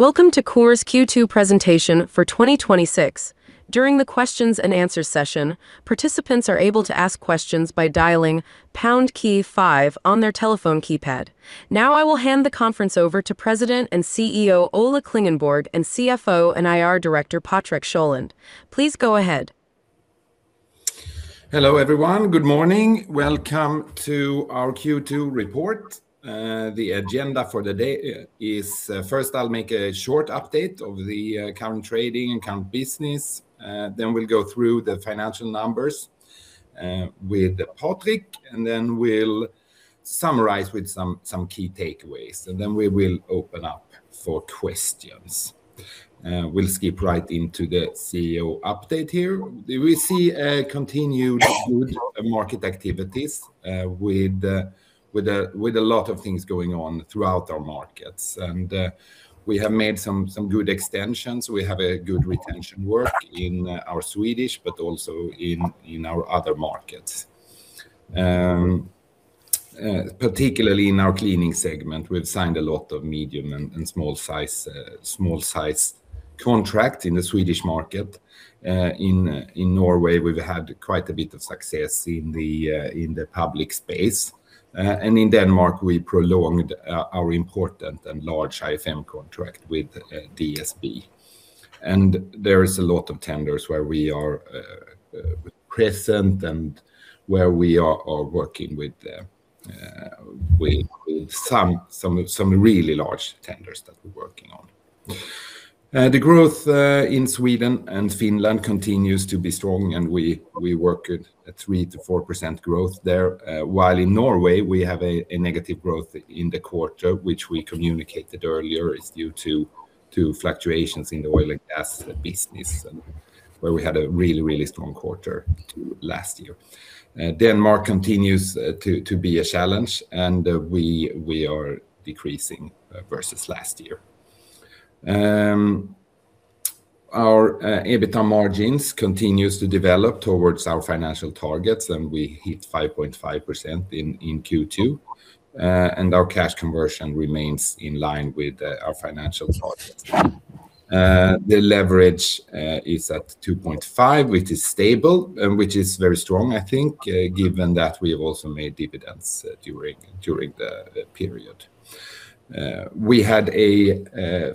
Welcome to Coor's Q2 presentation for 2026. During the questions-and-answers session, participants are able to ask questions by dialing #5 on their telephone keypad. Now I will hand the conference over to President and CEO Ola Klingenborg and CFO and IR Director Patrik Sjölund. Please go ahead. Hello, everyone. Good morning. Welcome to our Q2 report. First I'll make a short update of the current trading and current business. We'll go through the financial numbers with Patrik, and we'll summarize with some key takeaways. We will open up for questions. We'll skip right into the CEO update here. We see continued good market activities with a lot of things going on throughout our markets. We have made some good extensions. We have a good retention work in our Swedish, but also in our other markets. Particularly in our cleaning segment, we've signed a lot of medium and small size contract in the Swedish market. In Norway, we've had quite a bit of success in the public space. In Denmark, we prolonged our important and large IFM contract with DSB. There is a lot of tenders where we are present and where we are working with some really large tenders that we're working on. The growth in Sweden and Finland continues to be strong, and we work at 3%-4% growth there. While in Norway, we have a negative growth in the quarter, which we communicated earlier is due to fluctuations in the oil and gas business and where we had a really strong quarter last year. Denmark continues to be a challenge, and we are decreasing versus last year. Our EBITDA margins continues to develop towards our financial targets, and we hit 5.5% in Q2. Our cash conversion remains in line with our financial targets. The leverage is at 2.5, which is stable and which is very strong, I think given that we have also made dividends during the period. We had a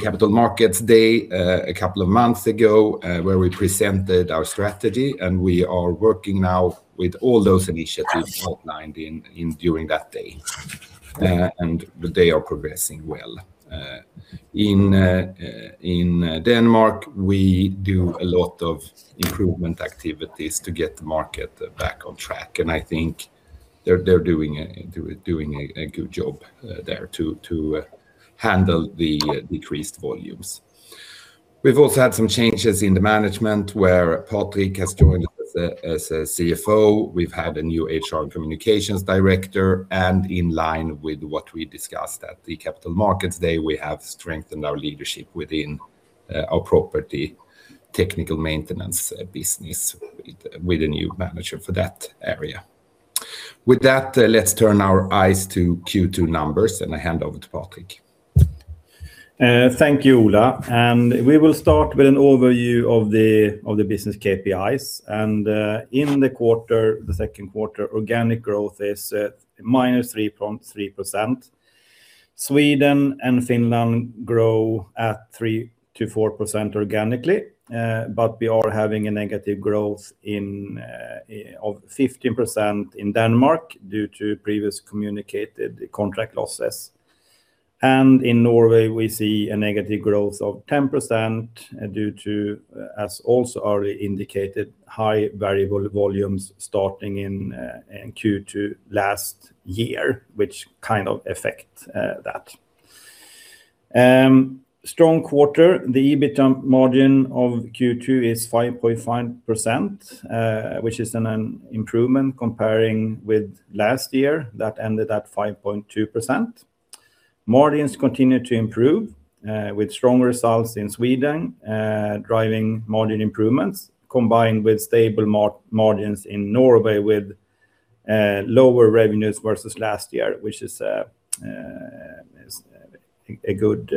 Capital Markets Day a couple of months ago where we presented our strategy, and we are working now with all those initiatives outlined during that day, and they are progressing well. In Denmark, we do a lot of improvement activities to get the market back on track, and I think they're doing a good job there to handle the decreased volumes. We've also had some changes in the management where Patrik has joined us as a CFO. We've had a new HR and communications director, and in line with what we discussed at the Capital Markets Day, we have strengthened our leadership within our property technical maintenance business with a new manager for that area. With that, let's turn our eyes to Q2 numbers, and I hand over to Patrik. Thank you, Ola. We will start with an overview of the business KPIs. In the Q2, organic growth is minus 3.3%. Sweden and Finland grow at 3%-4% organically, but we are having a negative growth of 15% in Denmark due to previous communicated contract losses. In Norway, we see a negative growth of 10% due to, as also already indicated, high variable volumes starting in Q2 last year, which affect that. Strong quarter. The EBITDA margin of Q2 is 5.5%, which is an improvement comparing with last year that ended at 5.2%. Margins continue to improve with strong results in Sweden driving margin improvements combined with stable margins in Norway with lower revenues versus last year, which is a good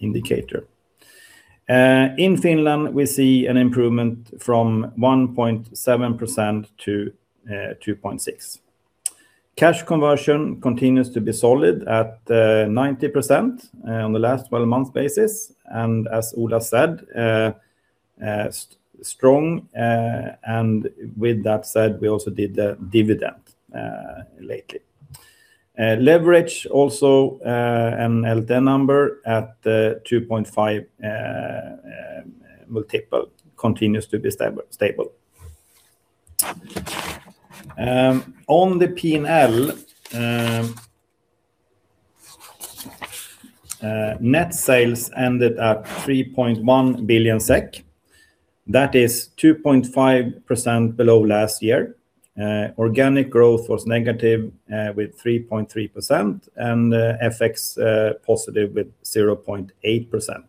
indicator. In Finland, we see an improvement from 1.7% to 2.6%. Cash conversion continues to be solid at 90% on the last 12 months basis. As Ola said, strong, and with that said, we also did the dividend lately. Leverage also an LTM number at 2.5 multiple continues to be stable. On the P&L, net sales ended at 3.1 billion SEK. That is 2.5% below last year. Organic growth was negative with 3.3% and FX positive with 0.8%.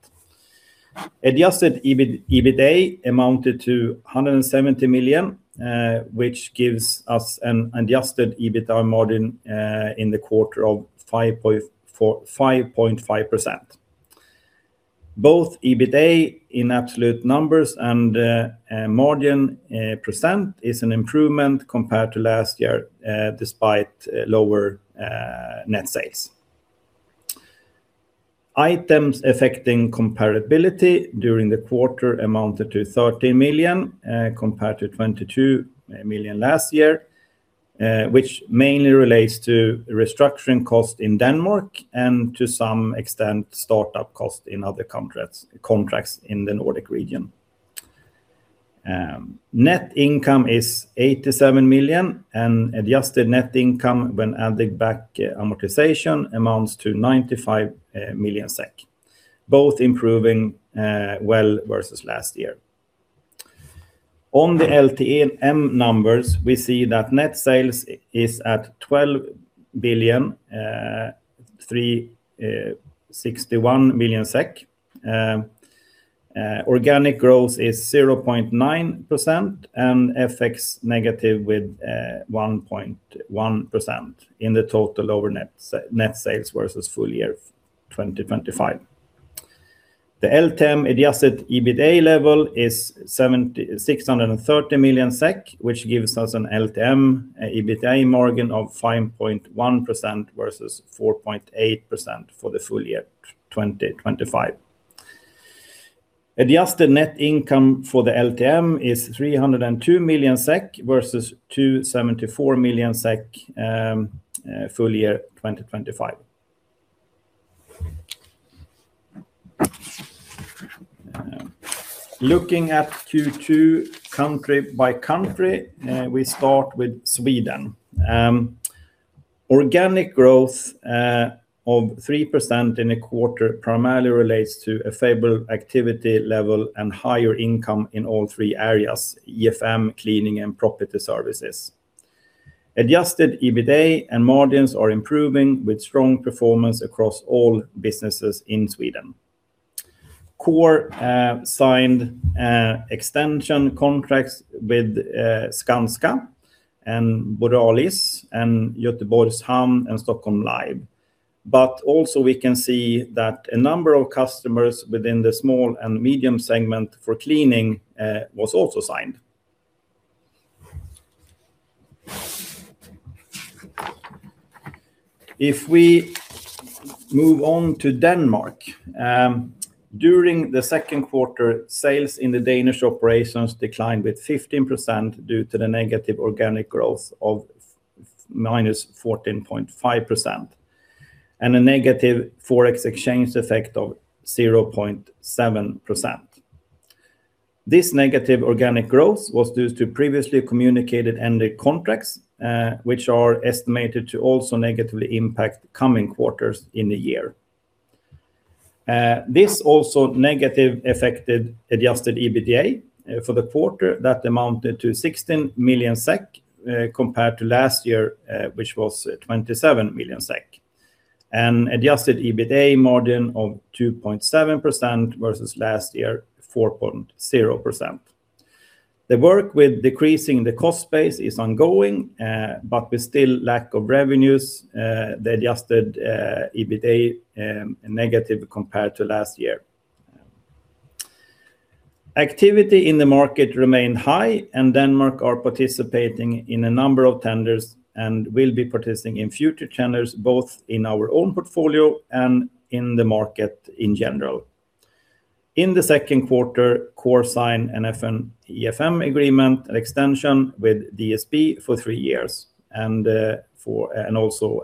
Adjusted EBITA amounted to 170 million, which gives us an adjusted EBITA margin in the quarter of 5.5%. Both EBITA in absolute numbers and margin % is an improvement compared to last year, despite lower net sales. Items affecting comparability during the quarter amounted to 30 million compared to 22 million last year which mainly relates to restructuring costs in Denmark and to some extent, startup costs in other contracts in the Nordic region. Net income is 87 million and adjusted net income when adding back amortization amounts to 95 million SEK, both improving well versus last year. On the LTM numbers, we see that net sales is at 12,361 million SEK. Organic growth is 0.9% and FX negative with 1.1% in the total lower net sales versus full year 2025. The LTM adjusted EBITA level is 630 million SEK, which gives us an LTM EBITA margin of 5.1% versus 4.8% for the full year 2025. Adjusted net income for the LTM is 302 million SEK versus 274 million SEK full year 2025. Looking at Q2 country by country, we start with Sweden. Organic growth of 3% in a quarter primarily relates to a favorable activity level and higher income in all three areas: EFM, cleaning, and property services. Adjusted EBITA and margins are improving with strong performance across all businesses in Sweden. Coor signed extension contracts with Skanska and Borealis and Göteborgs Hamn and Stockholm Live. Also we can see that a number of customers within the small and medium segment for cleaning was also signed. We move on to Denmark. During the Q2, sales in the Danish operations declined with 15% due to the negative organic growth of -14.5% and a negative forex exchange effect of 0.7%. This negative organic growth was due to previously communicated ended contracts which are estimated to also negatively impact coming quarters in the year. This also negative affected adjusted EBITA for the quarter that amounted to 16 million SEK compared to last year which was 27 million SEK. Adjusted EBITA margin of 2.7% versus last year, 4.0%. The work with decreasing the cost base is ongoing but with still lack of revenues, the adjusted EBITA negative compared to last year. Activity in the market remained high, and Denmark are participating in a number of tenders and will be participating in future tenders both in our own portfolio and in the market in general. In the Q2, Coor signed an EFM agreement and extension with DSB for three years and also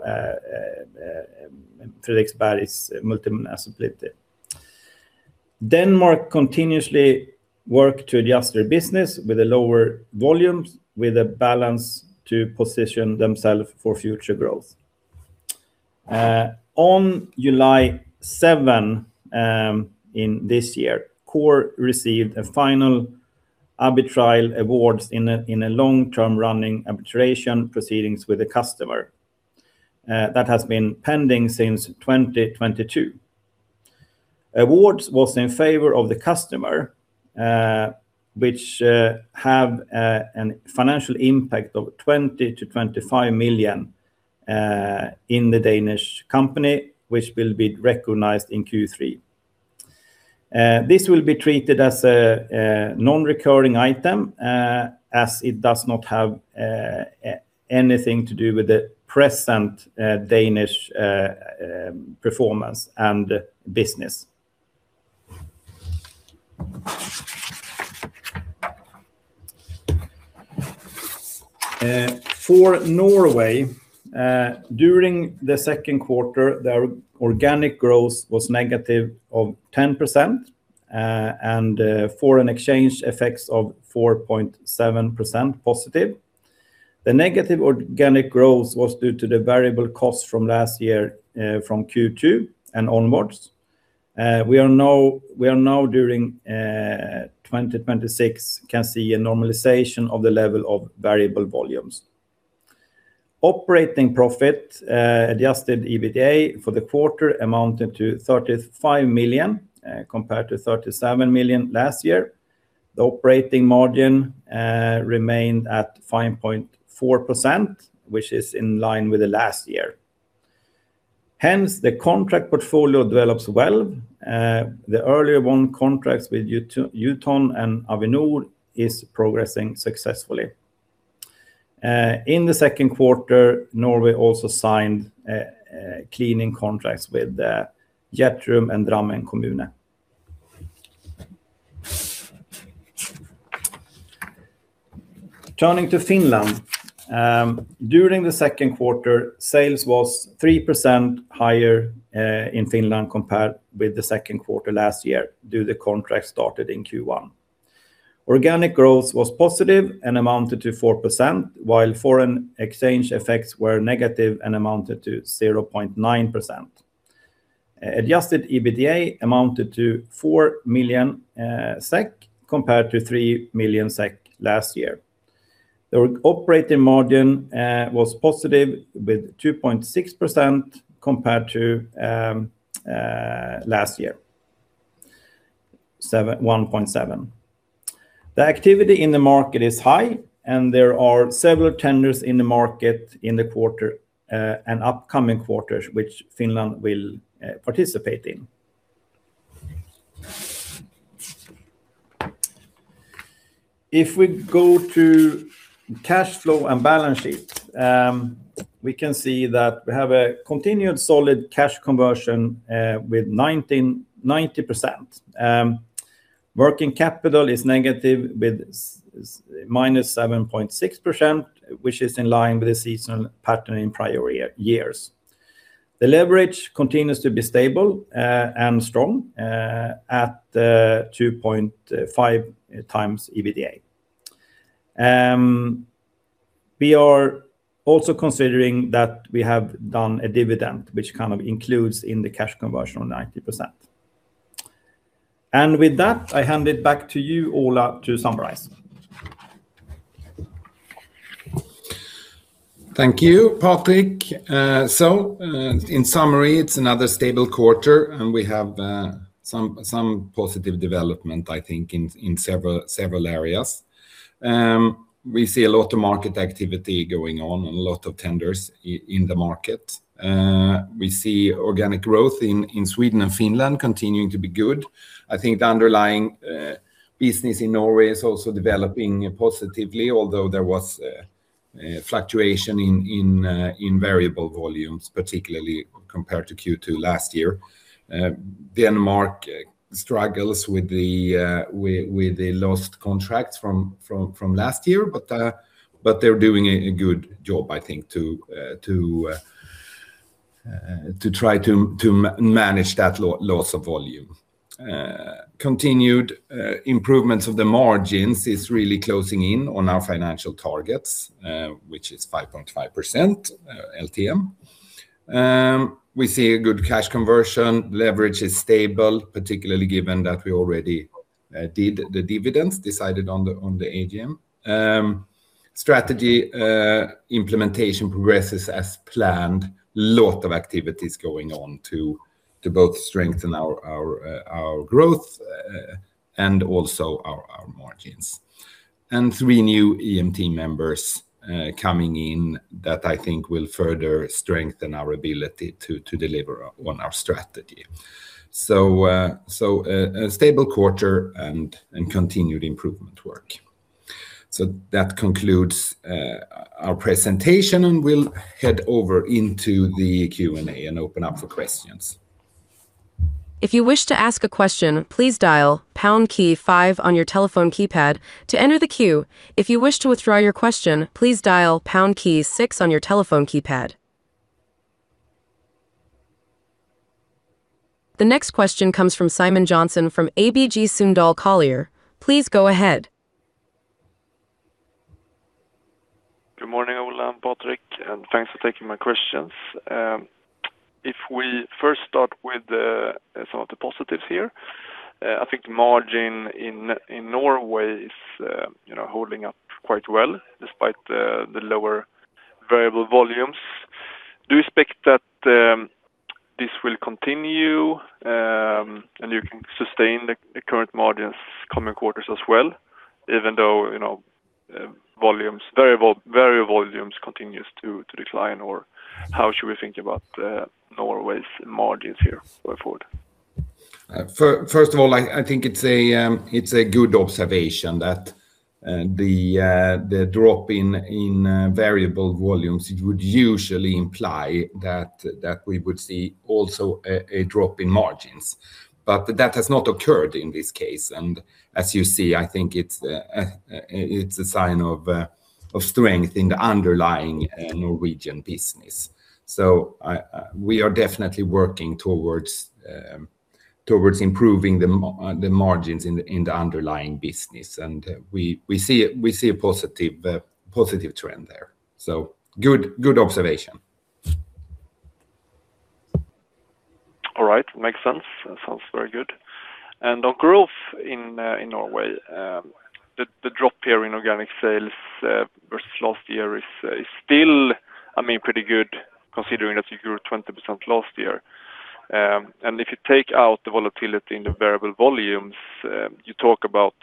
Frederiksberg Multimærkeudbud. Denmark continuously work to adjust their business with a lower volume, with a balance to position themselves for future growth. On July 7 in this year, Coor received a final arbitral awards in a long-term running arbitration proceedings with a customer that has been pending since 2022. Awards was in favor of the customer which have a financial impact of 20 million-25 million in the Danish company, which will be recognized in Q3. This will be treated as a non-recurring item as it does not have anything to do with the present Danish performance and business. For Norway, during the Q2, their organic growth was negative of 10% and foreign exchange effects of 4.7% positive. The negative organic growth was due to the variable costs from last year from Q2 and onwards. We are now during 2026 can see a normalization of the level of variable volumes Operating profit adjusted EBITDA for the quarter amounted to 35 million, compared to 37 million last year. The operating margin remained at 5.4%, which is in line with last year. Hence, the contract portfolio develops well. The earlier won contracts with Jotun and Avinor is progressing successfully. In the Q2, Norway also signed cleaning contracts with Gjettum and Drammen Kommune. Turning to Finland. During the Q2, sales was 3% higher in Finland compared with the Q2 last year, due the contract started in Q1. Organic growth was positive and amounted to 4%, while foreign exchange effects were negative and amounted to 0.9%. Adjusted EBITDA amounted to 4 million SEK, compared to 3 million SEK last year. The operating margin was positive with 2.6% compared to last year, 1.7%. The activity in the market is high, and there are several tenders in the market in the quarter and upcoming quarters, which Finland will participate in. If we go to cash flow and balance sheet, we can see that we have a continued solid cash conversion with 90%. Working capital is -7.6%, which is in line with the seasonal pattern in prior years. The leverage continues to be stable and strong at 2.5x EBITDA. We are also considering that we have done a dividend, which includes in the cash conversion of 90%. With that, I hand it back to you, Ola, to summarize. Thank you, Patrik. In summary, it's another stable quarter. We have some positive development, I think, in several areas. We see a lot of market activity going on and a lot of tenders in the market. We see organic growth in Sweden and Finland continuing to be good. I think the underlying business in Norway is also developing positively, although there was fluctuation in variable volumes, particularly compared to Q2 last year. Denmark struggles with the lost contracts from last year. They're doing a good job, I think, to try to manage that loss of volume. Continued improvements of the margins is really closing in on our financial targets, which is 5.1% LTM. We see a good cash conversion. Leverage is stable, particularly given that we already did the dividends decided on the AGM. Strategy implementation progresses as planned. A lot of activities going on to both strengthen our growth and also our margins. Three new EMT members coming in that I think will further strengthen our ability to deliver on our strategy. A stable quarter and continued improvement work. That concludes our presentation, and we'll head over into the Q&A and open up for questions. If you wish to ask a question, please dial #5 on your telephone keypad to enter the queue. If you wish to withdraw your question, please dial #6 on your telephone keypad. The next question comes from Simon Jönsson from ABG Sundal Collier. Please go ahead. Good morning, Ola and Patrik. Thanks for taking my questions. If we first start with some of the positives here. I think margin in Norway is holding up quite well despite the lower variable volumes. Do you expect that this will continue, and you can sustain the current margins coming quarters as well, even though variable volumes continues to decline? How should we think about Norway's margins here going forward? First of all, I think it's a good observation that the drop in variable volumes, it would usually imply that we would see also a drop in margins. That has not occurred in this case. As you see, I think it's a sign of strength in the underlying Norwegian business. We are definitely working towards improving the margins in the underlying business. We see a positive trend there. Good observation. Sounds very good. On growth in Norway, the drop here in organic sales versus last year is still pretty good considering that you grew 20% last year. If you take out the volatility in the variable volumes, you talk about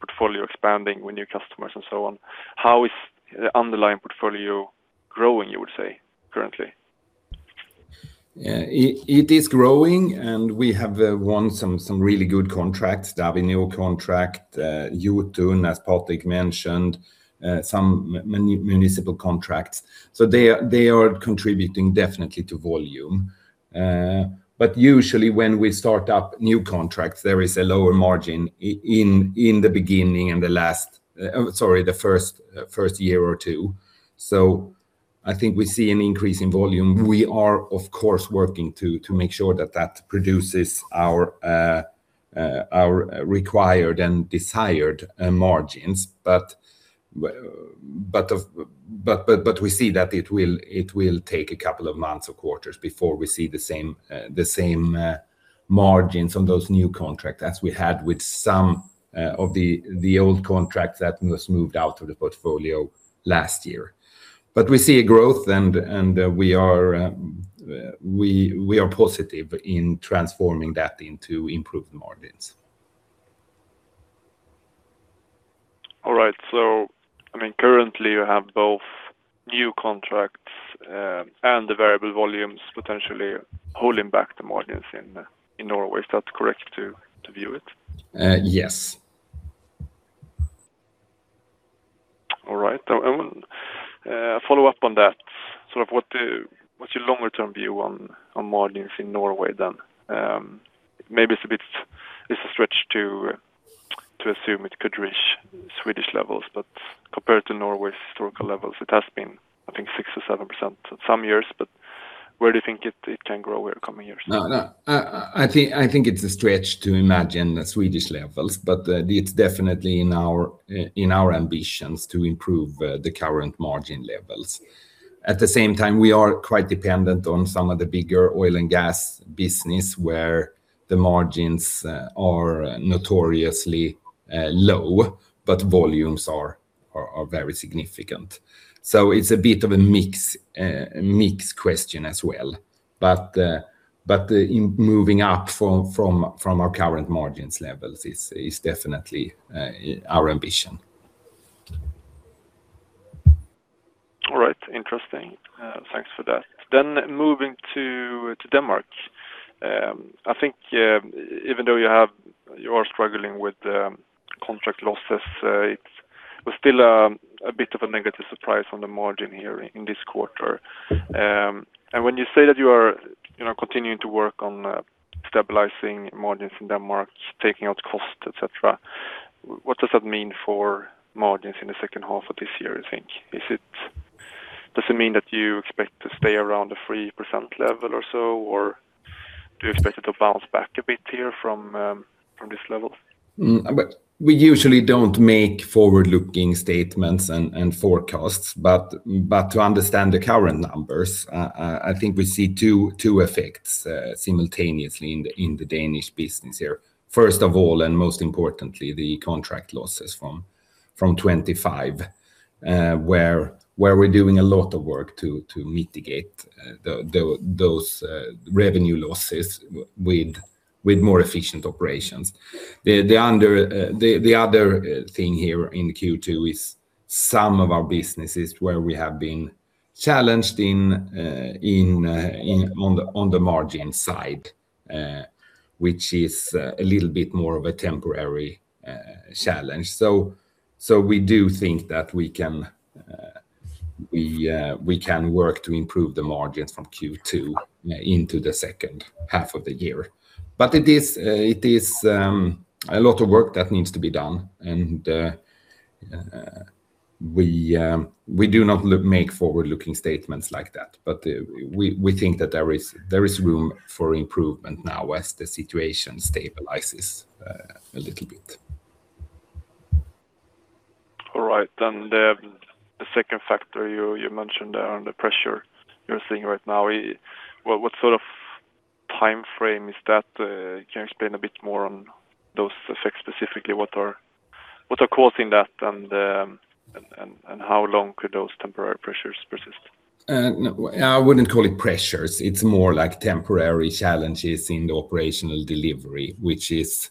portfolio expanding with new customers and so on. How is the underlying portfolio growing, you would say, currently? It is growing, we have won some really good contracts. The Avinor contract, Jotun, as Patrik mentioned, some municipal contracts. They are contributing definitely to volume. Usually when we start up new contracts, there is a lower margin in the beginning and the first year or two. I think we see an increase in volume. We are, of course, working to make sure that that produces our required and desired margins. We see that it will take a couple of months or quarters before we see the same margins on those new contracts as we had with some of the old contracts that was moved out of the portfolio last year. We see a growth, and we are positive in transforming that into improved margins. All right. Currently you have both new contracts and the variable volumes potentially holding back the margins in Norway. Is that correct to view it? Yes. All right. I want to follow up on that. What's your longer-term view on margins in Norway, then? Maybe it's a stretch to assume it could reach Swedish levels, but compared to Norway's historical levels, it has been, I think, 6% or 7% some years, but where do you think it can grow here coming years? No. I think it's a stretch to imagine the Swedish levels, but it's definitely in our ambitions to improve the current margin levels. At the same time, we are quite dependent on some of the bigger oil and gas business, where the margins are notoriously low, but volumes are very significant. It's a bit of a mixed question as well. In moving up from our current margins levels is definitely our ambition. All right. Interesting. Thanks for that. Moving to Denmark. I think even though you are struggling with contract losses, it was still a bit of a negative surprise on the margin here in this quarter. When you say that you are continuing to work on stabilizing margins in Denmark, taking out cost, et cetera, what does that mean for margins in the second half of this year, you think? Does it mean that you expect to stay around the 3% level or so, or do you expect it to bounce back a bit here from these levels? We usually don't make forward-looking statements and forecasts, but to understand the current numbers, I think we see two effects simultaneously in the Danish business here. First of all, and most importantly, the contract losses from 2025, where we're doing a lot of work to mitigate those revenue losses with more efficient operations. The other thing here in Q2 is some of our businesses where we have been challenged on the margin side, which is a little bit more of a temporary challenge. We do think that we can work to improve the margins from Q2 into the second half of the year. It is a lot of work that needs to be done, and we do not make forward-looking statements like that. We think that there is room for improvement now as the situation stabilizes a little bit. All right. The second factor you mentioned on the pressure you're seeing right now, what sort of timeframe is that? Can you explain a bit more on those effects specifically? What are causing that, and how long could those temporary pressures persist? No, I wouldn't call it pressures. It's more like temporary challenges in the operational delivery, which is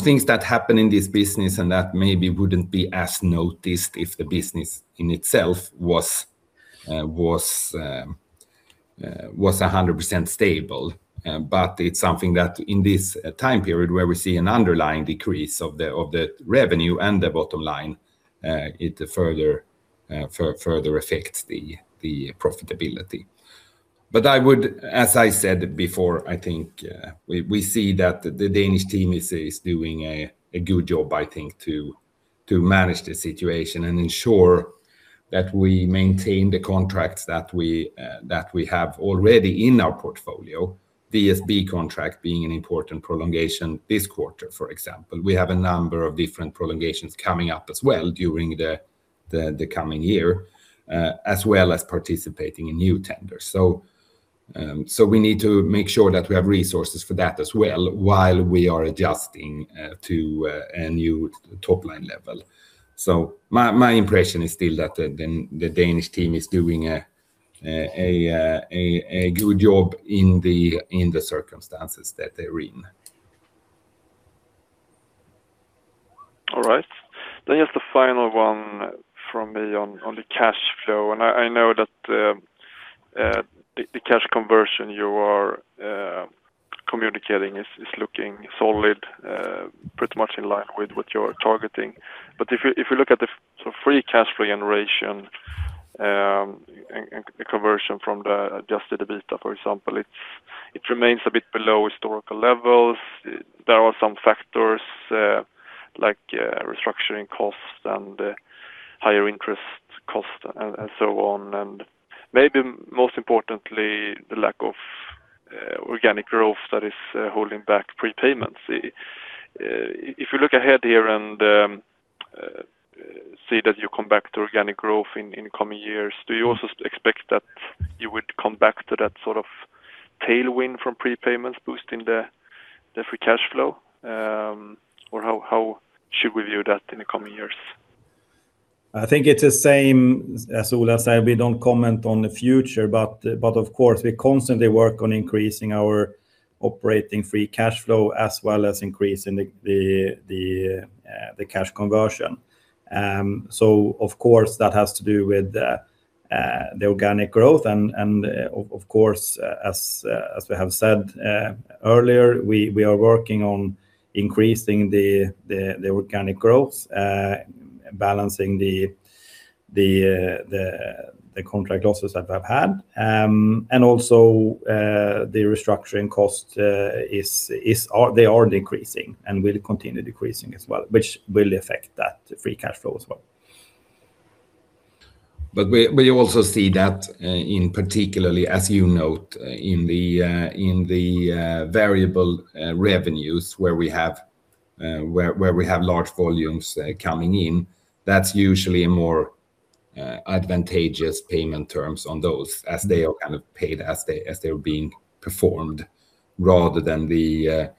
things that happen in this business and that maybe wouldn't be as noticed if the business in itself was 100% stable. It's something that in this time period where we see an underlying decrease of the revenue and the bottom line, it further affects the profitability. As I said before, I think we see that the Danish team is doing a good job, I think, to manage the situation and ensure that we maintain the contracts that we have already in our portfolio, DSB contract being an important prolongation this quarter, for example. We have a number of different prolongations coming up as well during the coming year, as well as participating in new tenders. We need to make sure that we have resources for that as well while we are adjusting to a new top-line level. My impression is still that the Danish team is doing a good job in the circumstances that they're in. All right. Just the final one from me on the cash flow, and I know that the cash conversion you are communicating is looking solid, pretty much in line with what you're targeting. If you look at the free cash flow generation and conversion from the adjusted EBITDA, for example, it remains a bit below historical levels. There are some factors like restructuring costs and higher interest costs and so on, and maybe most importantly, the lack of organic growth that is holding back prepayments. If you look ahead here and see that you come back to organic growth in coming years, do you also expect that you would come back to that sort of tailwind from prepayments boosting the free cash flow? How should we view that in the coming years? I think it's the same as Ola said. We don't comment on the future, of course, we constantly work on increasing our operating free cash flow as well as increasing the cash conversion. Of course, that has to do with the organic growth, of course, as we have said earlier, we are working on increasing the organic growth, balancing the contract losses that we've had. Also, the restructuring cost, they are decreasing and will continue decreasing as well, which will affect that free cash flow as well. We also see that in particular, as you note, in the variable revenues where we have large volumes coming in, that's usually a more advantageous payment terms on those as they are kind of paid as they are being performed, rather than the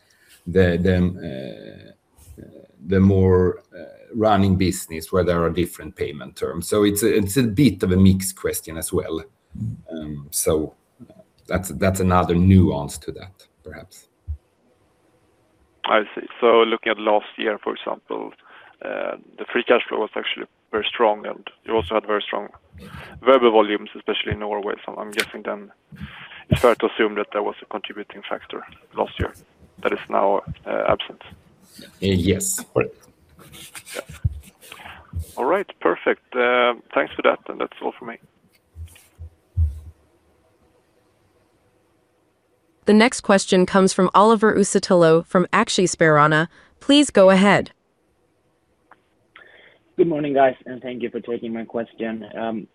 more running business where there are different payment terms. It's a bit of a mixed question as well. That's another nuance to that, perhaps. I see. Looking at last year, for example, the free cash flow was actually very strong, and you also had very strong variable volumes, especially in Norway. I'm guessing then it's fair to assume that that was a contributing factor last year that is now absent. Yes. All right. Perfect. Thanks for that. That's all for me. The next question comes from Oliver Uusitalo from Aktiespararna. Please go ahead. Good morning, guys, and thank you for taking my question.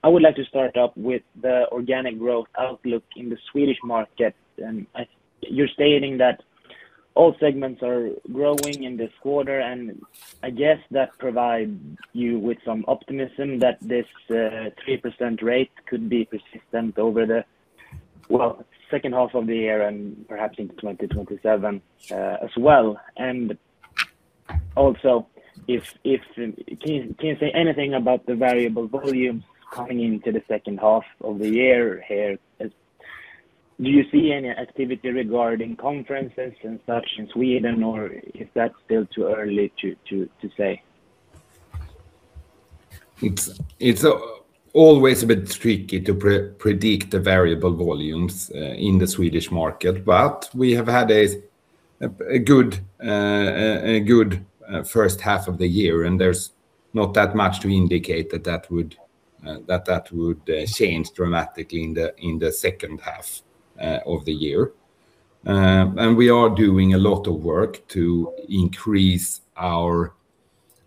I would like to start up with the organic growth outlook in the Swedish market, and you're stating that all segments are growing in this quarter, and I guess that provides you with some optimism that this 3% rate could be persistent over the, well, second half of the year and perhaps into 2027 as well. Also if you can say anything about the variable volumes coming into the second half of the year here. Do you see any activity regarding conferences and such in Sweden, or is that still too early to say? It's always a bit tricky to predict the variable volumes in the Swedish market. We have had a good first half of the year, and there's not that much to indicate that that would change dramatically in the second half of the year. We are doing a lot of work to increase our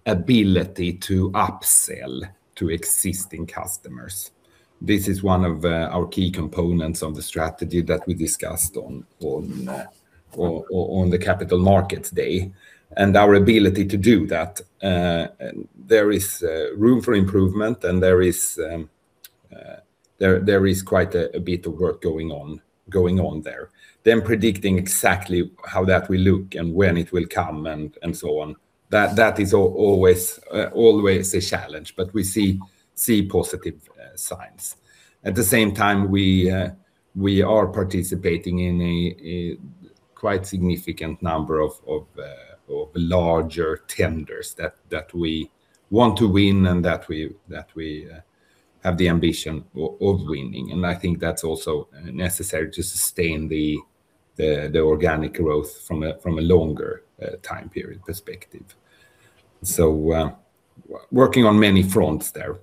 ability to upsell to existing customers. This is one of our key components of the strategy that we discussed on the Capital Markets Day and our ability to do that. There is room for improvement, and there is quite a bit of work going on there. Predicting exactly how that will look and when it will come and so on, that is always a challenge. We see positive signs. At the same time, we are participating in a quite significant number of larger tenders that we want to win and that we have the ambition of winning. I think that's also necessary to sustain the organic growth from a longer time period perspective. Working on many fronts there.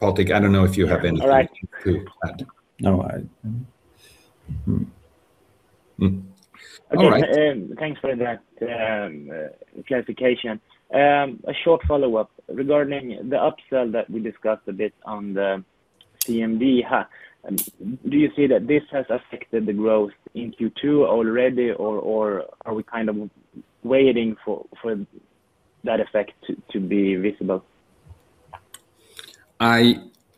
Patrik, I don't know if you have anything to add. No. Thanks for that clarification. A short follow-up regarding the upsell that we discussed a bit on the CMD. Do you see that this has affected the growth in Q2 already, or are we waiting for that effect to be visible?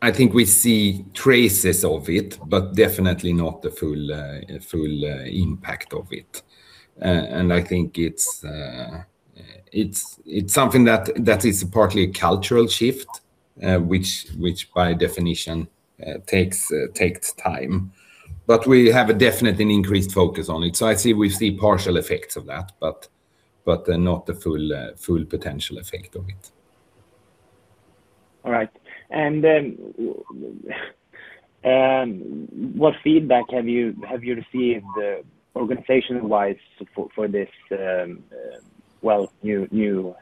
I think we see traces of it, but definitely not the full impact of it. I think it's something that is partly a cultural shift, which by definition takes time. We have a definitely increased focus on it. I'd say we see partial effects of that, but not the full potential effect of it. All right. What feedback have you received organization-wise for this new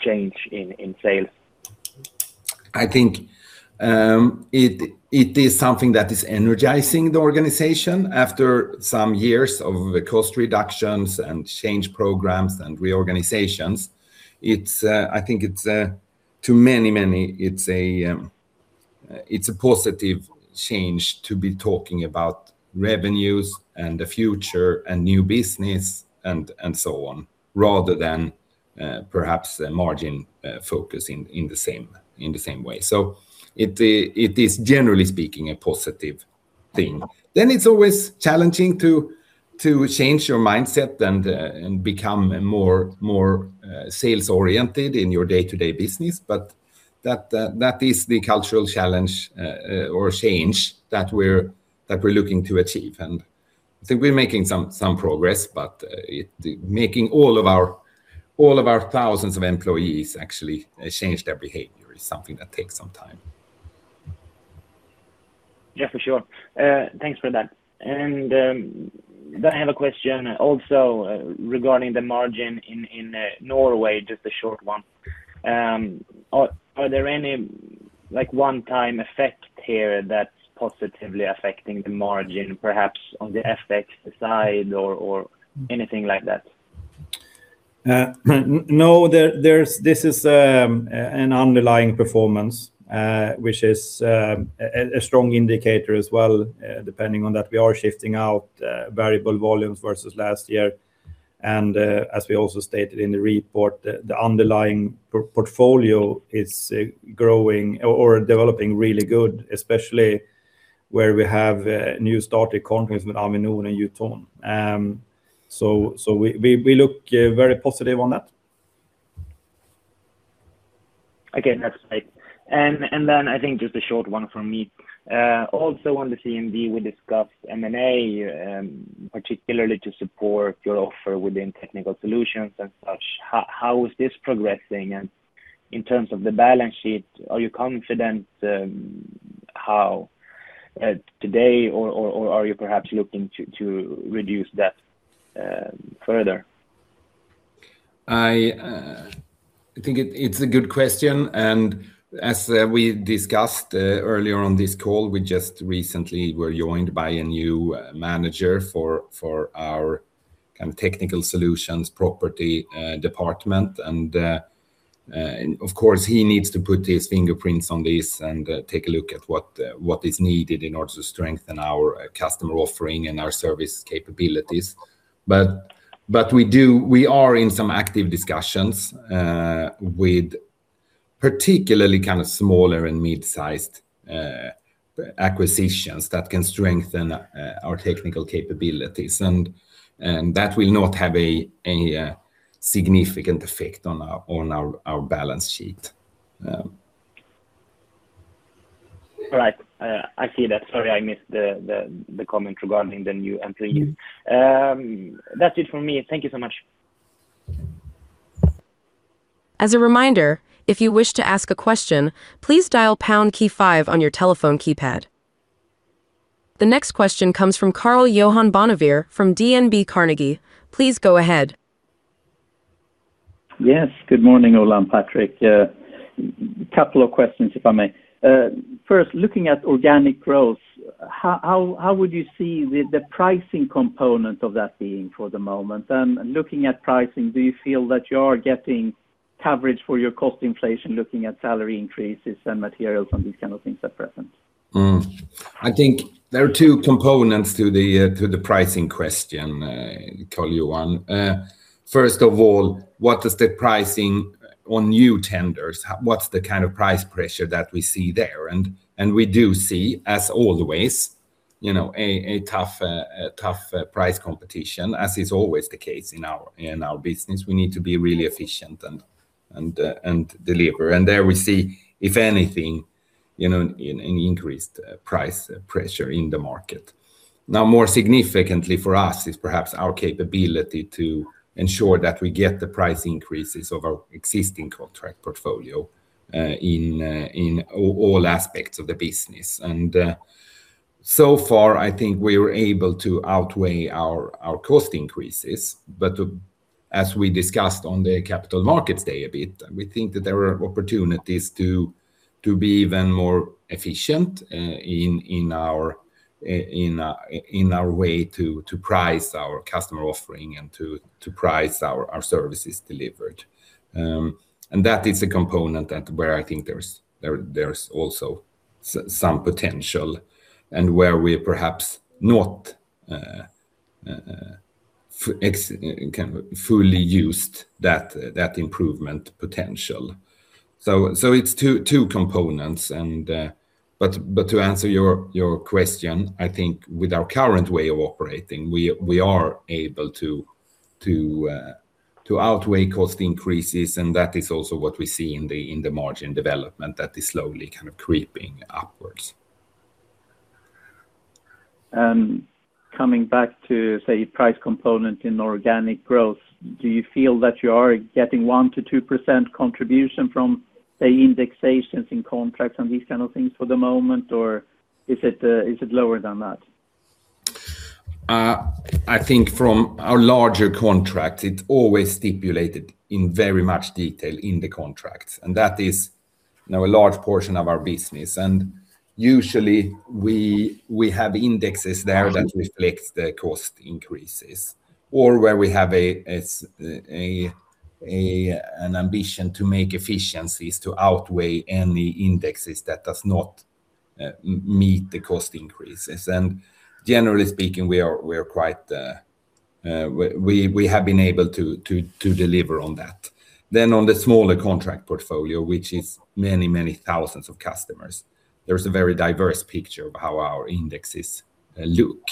change in sales? I think it is something that is energizing the organization after some years of cost reductions and change programs and reorganizations. I think to many, it's a positive change to be talking about revenues and the future and new business and so on, rather than perhaps a margin focus in the same way. It is generally speaking, a positive thing. It's always challenging to change your mindset and become more sales-oriented in your day-to-day business. That is the cultural challenge or change that we're looking to achieve. I think we're making some progress, but making all of our thousands of employees actually change their behavior is something that takes some time. Yeah, for sure. Thanks for that. I have a question also regarding the margin in Norway, just a short one. Are there any one-time effect here that's positively affecting the margin, perhaps on the FX side or anything like that? No, this is an underlying performance, which is a strong indicator as well, depending on that we are shifting out variable volumes versus last year. As we also stated in the report, the underlying portfolio is growing or developing really good, especially where we have new started contracts with Avinor and Jotun. We look very positive on that. Okay. That's right. I think just a short one from me. Also on the CMD, we discussed M&A, particularly to support your offer within technical solutions and such. How is this progressing? In terms of the balance sheet, are you confident how today or are you perhaps looking to reduce debt further? I think it's a good question, and as we discussed earlier on this call, we just recently were joined by a new manager for our technical solutions property department. Of course, he needs to put his fingerprints on this and take a look at what is needed in order to strengthen our customer offering and our service capabilities. We are in some active discussions, with particularly smaller and mid-sized acquisitions that can strengthen our technical capabilities, and that will not have any significant effect on our balance sheet. All right. I see that. Sorry, I missed the comment regarding the new employee. That's it for me. Thank you so much. As a reminder, if you wish to ask a question, please dial #5 on your telephone keypad. The next question comes from Karl-Johan Bonnevier from DNB Carnegie. Please go ahead. Yes. Good morning, Ola and Patrik. A couple of questions, if I may. First, looking at organic growth, how would you see the pricing component of that being for the moment? Looking at pricing, do you feel that you are getting coverage for your cost inflation, looking at salary increases and materials and these kind of things at present? I think there are two components to the pricing question, Karl-Johan. First of all, what is the pricing on new tenders? What's the kind of price pressure that we see there? We do see, as always, a tough price competition, as is always the case in our business. We need to be really efficient and deliver. There we see, if anything, an increased price pressure in the market. More significantly for us is perhaps our capability to ensure that we get the price increases of our existing contract portfolio in all aspects of the business. So far, I think we were able to outweigh our cost increases. As we discussed on the Capital Markets Day a bit, we think that there are opportunities to be even more efficient in our way to price our customer offering and to price our services delivered. That is a component where I think there's also some potential, and where we perhaps not fully used that improvement potential. It's two components. To answer your question, I think with our current way of operating, we are able to outweigh cost increases, and that is also what we see in the margin development that is slowly creeping upwards. Coming back to, say, price component in organic growth, do you feel that you are getting 1%-2% contribution from, say, indexations in contracts and these kind of things for the moment, or is it lower than that? I think from our larger contracts, it always stipulated in very much detail in the contracts. That is now a large portion of our business. Usually we have indexes there that reflect the cost increases or where we have an ambition to make efficiencies to outweigh any indexes that does not meet the cost increases. Generally speaking, we have been able to deliver on that. On the smaller contract portfolio, which is many, many thousands of customers, there's a very diverse picture of how our indexes look.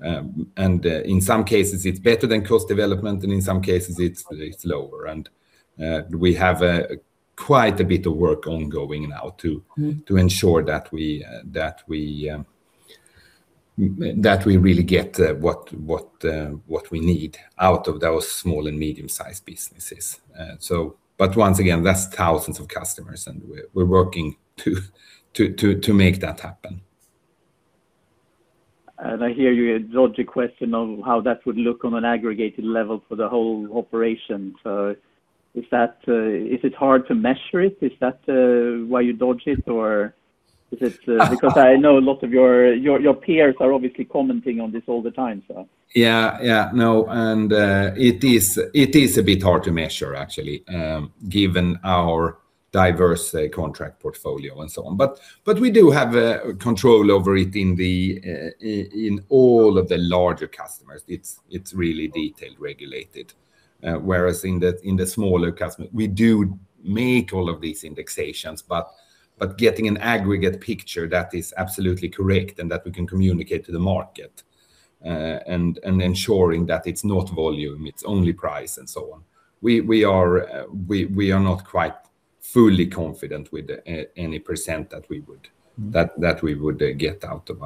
In some cases, it's better than cost development, and in some cases it's lower. We have quite a bit of work ongoing now to ensure that we really get what we need out of those small and medium-sized businesses. Once again, that's thousands of customers, and we're working to make that happen. I hear you dodge a question on how that would look on an aggregated level for the whole operation. Is it hard to measure it? Is that why you dodge it, or is it because I know a lot of your peers are obviously commenting on this all the time. No, it is a bit hard to measure actually, given our diverse contract portfolio and so on. We do have control over it in all of the larger customers. It is really detailed, regulated. Whereas in the smaller customer, we do make all of these indexations, but getting an aggregate picture that is absolutely correct and that we can communicate to the market, and ensuring that it is not volume, it is only price and so on. We are not quite fully confident with any % that we would get out of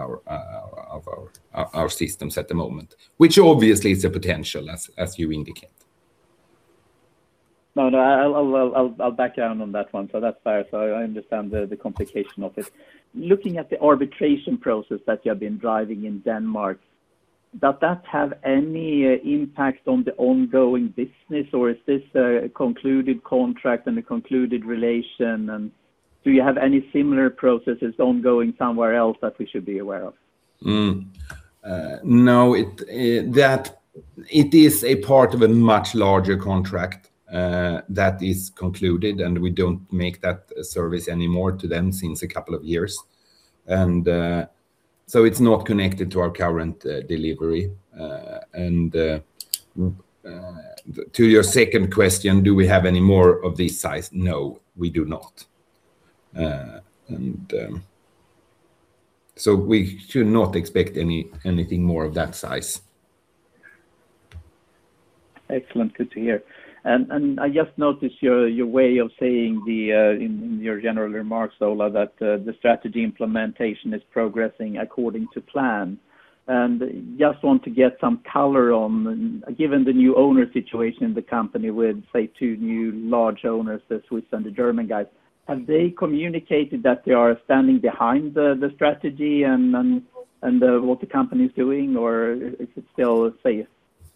our systems at the moment, which obviously is a potential as you indicate. No, I will back down on that one. That is fair. I understand the complication of it. Looking at the arbitration process that you have been driving in Denmark, does that have any impact on the ongoing business, or is this a concluded contract and a concluded relation, and do you have any similar processes ongoing somewhere else that we should be aware of? No. It is a part of a much larger contract that is concluded, we do not make that service anymore to them since a couple of years. It is not connected to our current delivery. To your second question, do we have any more of this size? No, we do not. We should not expect anything more of that size. Excellent. Good to hear. I just noticed your way of saying in your general remarks, Ola, that the strategy implementation is progressing according to plan. I just want to get some color on, given the new owner situation in the company with, say, two new large owners, the Swiss and the German guys, have they communicated that they are standing behind the strategy and what the company is doing, or is it still say,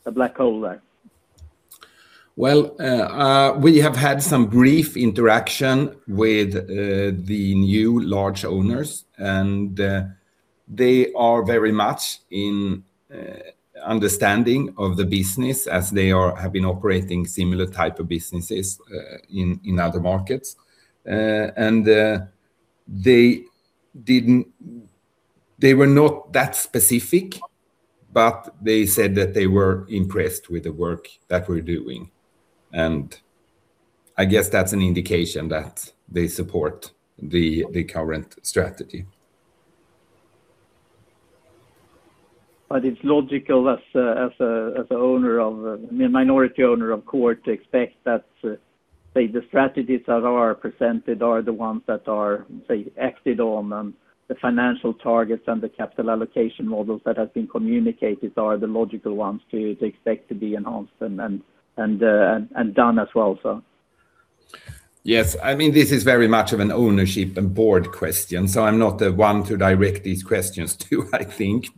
a black hole there? We have had some brief interaction with the new large owners, and they are very much in understanding of the business as they have been operating similar type of businesses in other markets. They were not that specific, but they said that they were impressed with the work that we're doing, and I guess that's an indication that they support the current strategy. It's logical as a minority owner, of course, to expect that, say, the strategies that are presented are the ones that are, say, acted on and the financial targets and the capital allocation models that have been communicated are the logical ones to expect to be announced and done as well. Yes. This is very much of an ownership and board question, I'm not the one to direct these questions to, I think.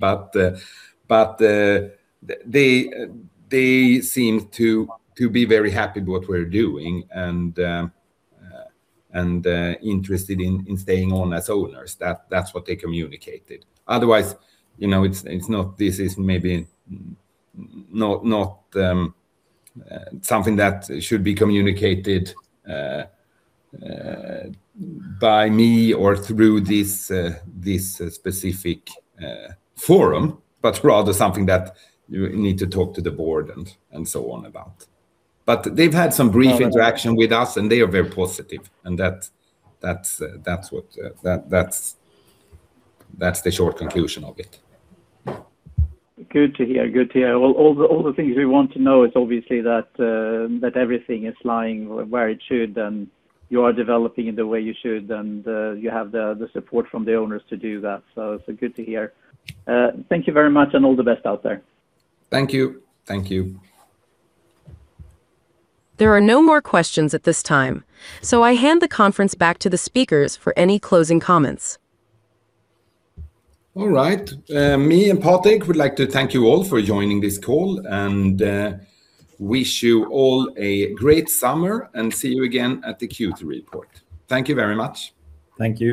They seem to be very happy with what we're doing and interested in staying on as owners. That's what they communicated. Otherwise, this is maybe not something that should be communicated by me or through this specific forum, but rather something that you need to talk to the board and so on about. They've had some brief interaction with us, and they are very positive, and that's the short conclusion of it. Good to hear. All the things we want to know, it's obviously that everything is lying where it should, and you are developing in the way you should, and you have the support from the owners to do that. Good to hear. Thank you very much and all the best out there. Thank you. Thank you. There are no more questions at this time. I hand the conference back to the speakers for any closing comments. All right. Me and Patrik would like to thank you all for joining this call and wish you all a great summer, and see you again at the Q3 report. Thank you very much. Thank you.